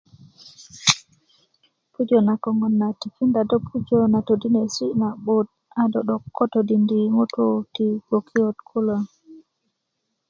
pujö na koŋon na tikinda do yi pujö na todinesi' ma'but a do ko todinfi ŋutuu ti gbokiyot kulo